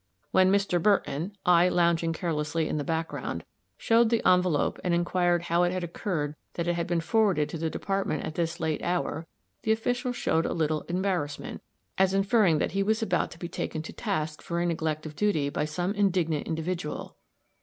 When Mr. Burton I lounging carelessly in the background showed the envelope and inquired how it had occurred that it had been forwarded to the Department at this late hour, the official showed a little embarrassment, as inferring that he was about to be taken to task for a neglect of duty by some indignant individual.